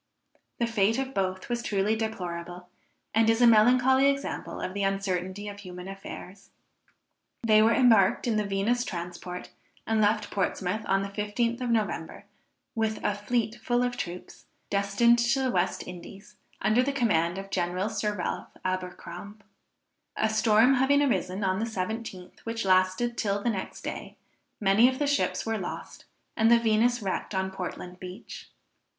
The fate of both was truly deplorable, and is a melancholy example of the uncertainty of human affairs. They were embarked in the Venus transport, and left Portsmouth the 15th of November, with a fleet full of troops, destined to the West Indies, under the command of General Sir Ralph Abercrombe. A storm having arisen on the 17th which lasted till the next day, many of the ships were lost, and the Venus wrecked on Portland Beach.